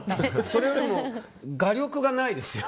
それよりも画力がないですよ。